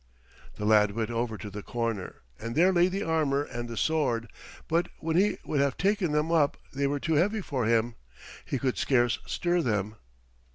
The lad went over to the corner, and there lay the armor and the sword, but when he would have taken them up they were too heavy for him. He could scarce stir them.